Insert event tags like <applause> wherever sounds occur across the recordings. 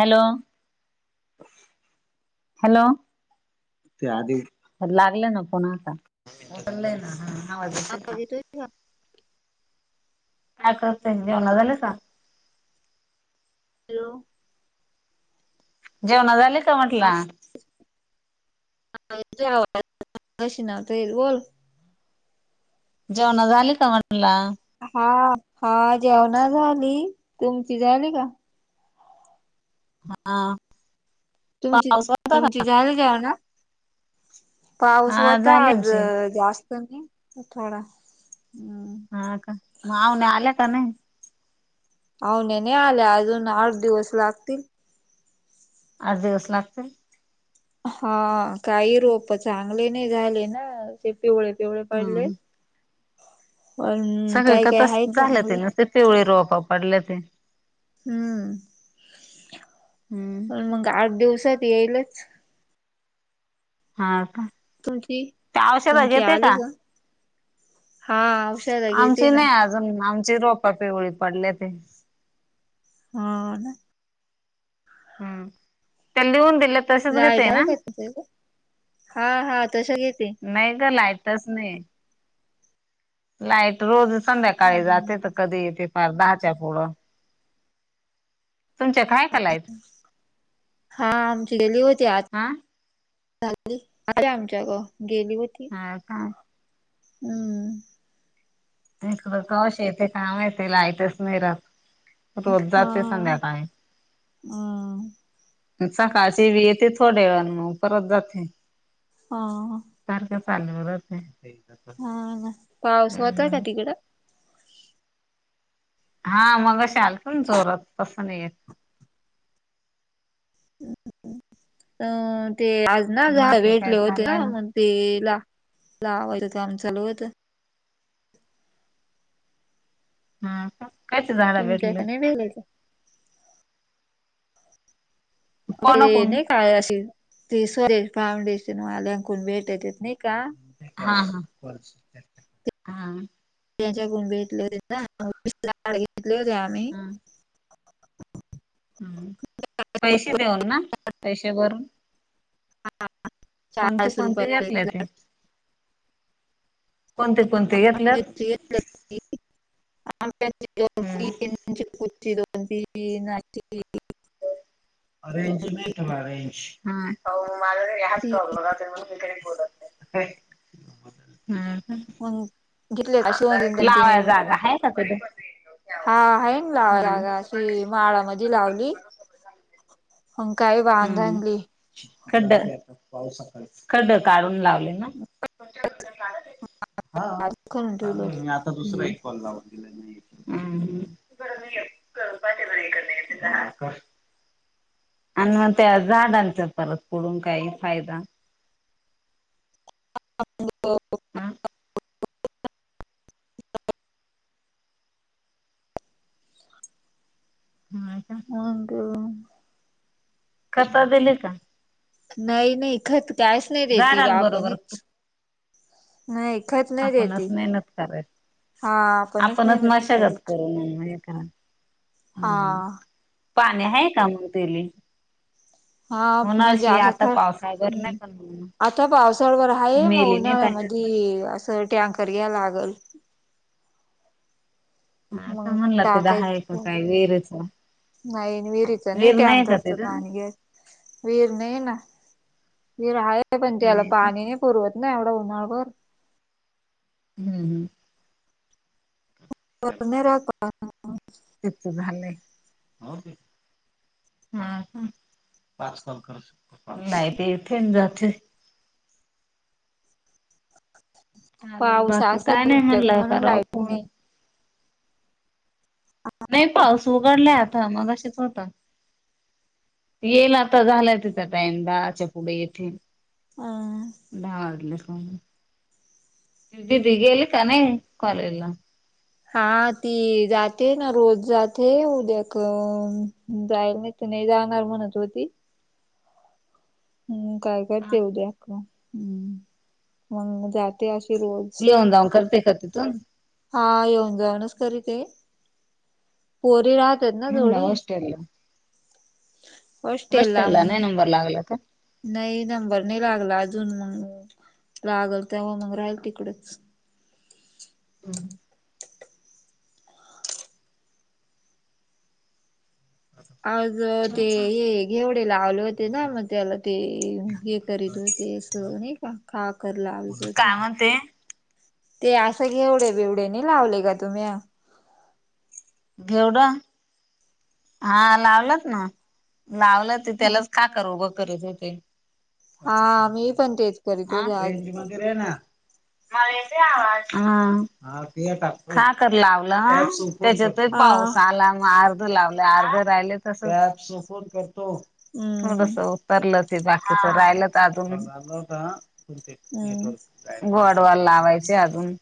Hello hello ते आधी लागले ना पुन्हा आताले ना हॅलो का येतोय करत जेवणा झाला स हॅलो जेवणा झाले का म्हटलं आवाज कशी नावतल बोल जेवणा झाली का म्हणाला हा हा जेवणा झाली तुमची झाली का हा तुमची पाऊस होता का? तुमची झालं जाव ना पाऊस हा होता झाले आज आमचे जास्त कमी थोडाम् हा का मगवने आल्या का नाही अव न नाही आल्या अजून आठ दिवस लागतील आज दिवस लागत हा काही रोप चांगले नाही झाले ना ते पिवळे पिवळे पडले हम्म पण सगळ काय का काय त आहे झालं ते चांगले ना ते तेवळे रोपा पडल्या ते हम्म हम्म प मग आठ दिवसात येईलच हा तुमची त्यावशत तुमची घेते आली का हा औषध घेते आमची ना. नाही अजून आमची रोपा पिवळी पडल्या ते हो ना हम्म त्याला लिहूला लाईट आहे का त हा हा तस घेते नाही ग लायताच नाही लाईट रोज संध्याकाळी हम्म. जाते तर कधी येते फार दहाच्या पुढं तुमच्याक हाय का लाईट हा आमची गेली होती आत हा झाली अे आमच्या ग गेली हो हा का हम्म इकडं कवाशी येथे कामाेत लाईटच नाही रा हा हम सकाळची वी येते थोड्या वेळ मग परत जाते हां सारखं चालूत नाही हा पाऊस होताय का तिकडं हा मग शाल पून जोरात तसं नाही येत अ ते आज ना झालं बाकी काय भेटले होते ना चाललंय मग ते ला लावायच ते आम चालू होत हा कायची झाडं तुमच्या भेटली का नाही नाही ते कोणाकडून नाही काय अशी ती स्वदेश फाउंडेशन वाल्यांकून भेटत येत नाही का हां हां हां. त्याच्याकडून भेटले होतेत ना मग वीस लाख घेतले होते आम्ही. हम् पैसे देऊन ना, पैसे भरून. कोणते चाळीस कोणते रुपयाला घातले एक होते? कोणते कोणते घेतल्यात? <unintelligible> म्हणजे हम्म कुटची दोन बी ना <unintelligible> अरेंजमेट अरेंज माझ ही हाच ती प्रॉब्लम आहे म्हणून मी बोलत हम हं. कोन लावाय जागा हाय का तिथे? हां आहे ना लावाय हम्म जागा अशी माळा मध्ये लावली. हं काय बांध हम्म आणली खड्ड, खड्ड काढून लावले. हां. करून ठेवलं हुं होत. हुं. <unintelligible> आणि मग त्या झाडांचा परत पडून काही फायदा <unintelligible> हम. व्हय का हां ग कस दिलीत? नाही नाही खत काहीच नाही देेते झाडांबरोबर आपणच नाही खत नाही आपणच देती. मेहनत करायची. हा आपणच मेहनत मशागत करायची करून हा हम् पाणी आहे का मग तेली? हा होना म्हणजे अशी असं आता का पावसाळाभर नाही हम्म. पण आता पावसाळभर आहे मग मेली नाही पाहिजेत उन्हाळ्यामध्ये असं टँकर घ्या लागल. ना आता मग म्हणला ते दहा टाकायच एक काय विहिरीच नाही विहिरीच नाही विहीर का टँकरचं तिथ पाणी घेत विहीर नाही ना विहीर आहे पण त्याला नाही का पाणी नाही. पुरवत नाय एवढं उन्हाळाभर. हम्म हम वण राख तेनचं झालंय. हा ह पा सल कर नाही येथे न जाते. चालल. पाऊस बाकी काय असेल नाही म्हनलं आत्ता म्हणून रावू लाईट फोन. नाही हा. नाही पाऊस उघडला आता मगाशीचं होता. येईल आता झालंय तिथं टाइम दाहाच्या पुढे येथील. अ ढा वाजले कम दीदी गेली काय नाही कॉलेज ला? हा. ती जाते ना, रोज जाते. उद्या क जाय तु नाही जाणार म्हणत होती. हम् काय करते उद्याक हम्म मग ते अशी रोज येऊन जाऊन करते का तिथून हा येऊन जाऊनस करी ते. पोरी रात ना म्हणलं ोडी हॉस्टेलला अष्टेला हॉस्टेलला नाही म नंबर लागला का नाही नंबर नाही लागला अजून मग लागल तेव्हा मग राहील तिकडेच हम् आज ते हे घेवडे लावले होते ना मग त्याला ते हे करीत होते नाही का काा करला आ काय म्हणते ते असं घेवढे बिवडे नाही लावले का तुम्ही घेवडा हा लावलात ना लावलं ते त्यालाच का कर उगं करीच हो ते पस हा मी पण तेच करीत मिनटां होते आज रेंज मगरे ना वा का करवलं त्याच्यात हा पाऊस आला मग अर्ध लावले अर्ध राहिले तस हो हम्म थोडस उतरलं त बाकीच राहिलं तर अजून हम्म नेटवक बोडवाल लावायचे अजून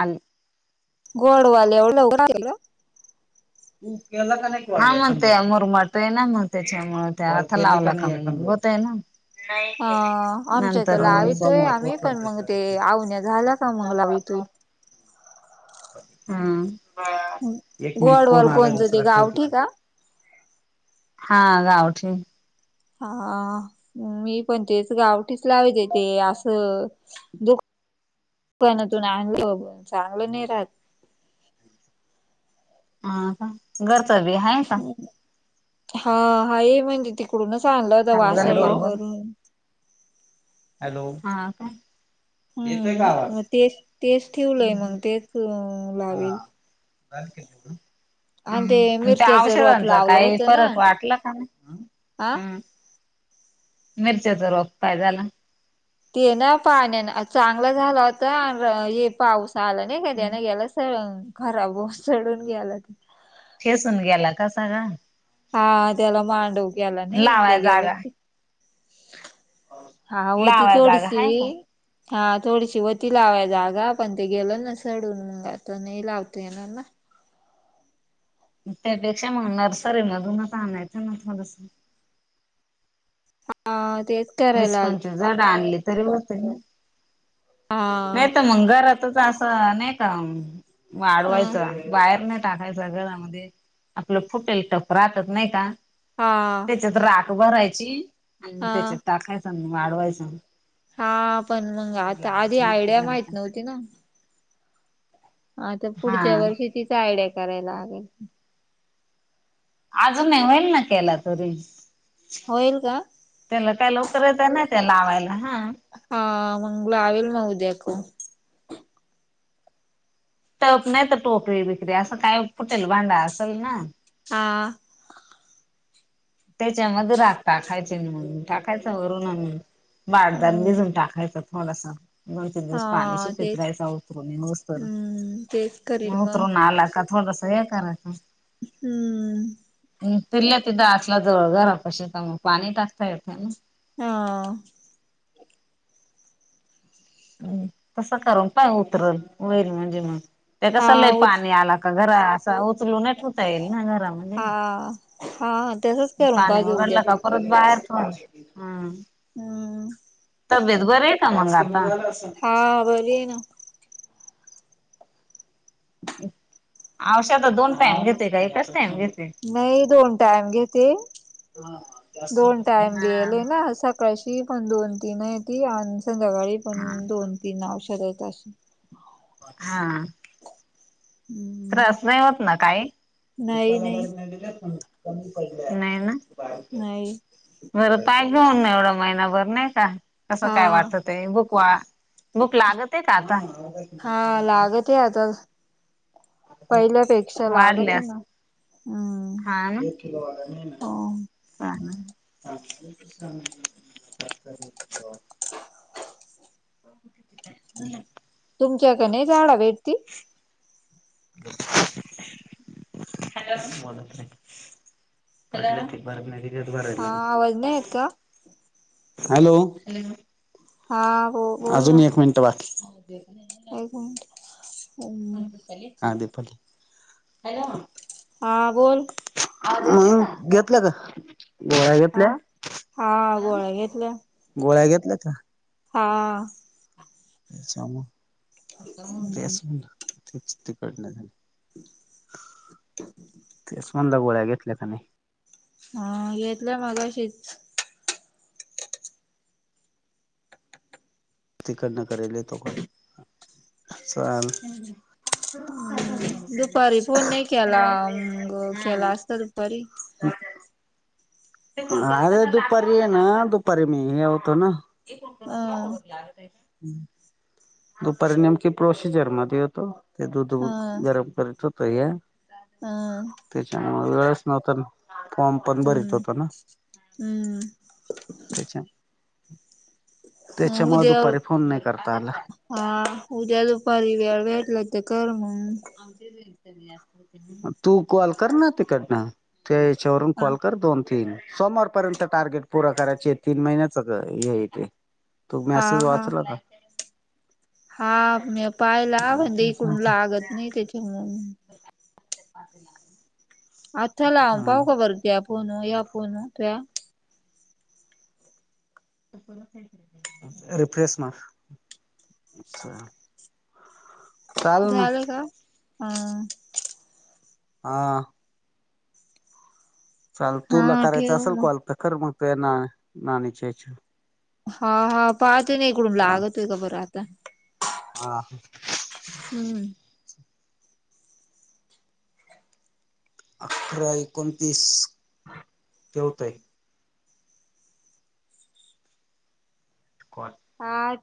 आ गोडवाल एवढं उ हा म्हणते मुरमाटे ना म्हण त्याच्यामु त्या आ लाव आहे ना ह आमच्या इथ लावितोय आम्ही पण मग ते आवण्या झाला का मग लावितोय नंतरप्रा ह एक मिनिट गोडवाल फोन आलाय कोणचं ते दुसरा खेवते गावठी म का हा गावठीे हा मी पण तेच गावठीच लावाच तेे असं दुख पण तू चांगलं चांगलं नाही राहत हा घरचं बी आहेाय का हा हा ये म्हणतीे तिकडूनच आणलं होता चांगलं झालं वासळी कॉल वरून हॅलो हम्म मग तेच तेच ठेवलंय मग तेच हा लावेल झाल केली म्ह आणि ते हम आणि त्या मिरच्याच रोप औषधांचा लावलं काही फरक वाटला का नाही आह हम्म मिरच्याच रोपपाय झाला ते ना पाण्या चांगलं झालं होता हे पाऊस आला नाही का त्यान गेला स खराब चढून घ्याला ते ठेसून गेला कसा का हा त्याला मांडव ग्याला ना ते लावाय गेला जागा हा वती लावाय जागा थोडशी हाय का? हा थोडशी वती लावा जागा पण ते गेलं ना सडून मग आता नाही लावतो येणार ना त्यापेक्षा मग नर्सरी मधूनच आणायचं ना थोडस हा तेच करायला विीस लाग पंचवीस झाड आणली तरी भरते हा नाही तर मंगारातच असं नाही का हा वाढवायचं बाहेर नाही टाकायचंगळमध्ये आपलं फुटेल टप रातत नाही का हा त्याच्यात राख भरायची आणि हा त्याच्यात टाकायच म वाढवायच हा पण मंग आता आधी मोठं आयडिया झालं माहत का नव्हती ना आा तर पुढच्या हा वर्षी तिचा आयडिया करायला लागेल अजून नाही होईल ना केला तुरी होईल का त्याला काही लवकर यच नाही त्या लावायला हा हा मंगल आल म उद्याकू तप नाही तर टोकरी बिकरी असं काय फुटेल भांडा असेल ना हा. त्याच्यामध्ये राग टाकायचे म्हणून टाकायच वरून आणून बारदाण हम् भिजून टाकायचं. होला सां. दोन-तीन दिवस पाणी श हा तेच पतराहायचा उतरणे नसतर हम्म तेच करील मग उतरून आला का थोडासा स्या करायचा हम्म. तिल्या तिथं अतला जळ घरा कशी मग पाणी टाकता येत ना. हा. तसं करून पण उतरल होईल म्हणजे मग. ते कसं हा लय उद्या पाणी आला घरा असं उचलू न ठेवता येईल ना घरामध्ये हां पाणी उगडलं का परत बाहेर प हम्म हम तब्येत बर आहे का मंग आता? हा बरी आहे ना. अवशद दोन टाइम घेतेय का एकच टाइम घेत नाही दोन टाइम घेते, हा दोन टाइम दियाल ना सका कळशी पण दोन तीन आहे ती आणि संध्याकाळी पण हा दोन तीन औषध आहेत अशी. हा हम्म तरास नाही होत ना काही? नाही नाही नाही ना? नाही. बरं पाय घेऊन ना एवढा महिनाभर नाही का? कसं हा काय वाटत ते बुक वा, बुक लागत ए का आता? हा, लागतये आता. पहिल्यापेक्षा लागत वाढल्यास येना. हा ना. हो चाललं. <inaudible> झालं का? तुमच्याकनै झाडं भेटती? हॅलो? हा आवाज नाही येत का हॅलो? हॅलो? हा बो अजून एक मिनटं बाकी. होय काय? हा दीपली, हॅलो. हां बोल. आ घेतलं का? गोळ्या घेतल्या? हा हा गोळ्या गोळ्या घेतल्या का? हां. हम्म. तेच म्हणलं. तेच तिकडणं तेच म्हणलं गोळ्या घेतल्या का नाही? हा घेतल्या मगशीच. तिकडनं करेल य तो पण, चाल हम्म. दुपारी फोण नाही केला. मग केला असता दुपारी. <unintelligible> अरे दुपारी ये ना, दुपारी मी हे आवतो ना पण कर का अं खबर लागतय दुपारी नेमकी प्रोसिजर मध्ये होतो. ते दूध गरम करत होत य हा. त्याच्यामुळे वेळच नव्हता ना. फॉर्म पण भरीत हम्म होत ना. हम्म त्याच्या, त्याच्यामुळे उद्या दुपारी फोन नाही करता आला. हा उद्या दुपारी वेळ भेटला तर कर मग तू कॉल कर ना तिकडनं. ते याच्यावरून हा कॉल कर दोनतीन सोमवार - पर्यंत टार्गेट पूरा करायची तीन महिन्याच हेे हाय ते तू हा मेसेज हा वाचला का हा मी पायला म्हणजे इकडून लागत नाही त्याच्यामुळ <inaudible> अ, चला हा पाहू का बरं घ्या फोण या फोन तूयाऽ रिफ्रेश मार - झालं का? हा हा चाल तुला हा करायचं ठेव असेल मग. कॉल तर कर मग त ना नाणीच्या याच्या हा हा पाहतोय ना इकडून लागतय का बरं आता हा हम्म अकरा एकोणतीस <inaudible> ठेवतय कॉल हा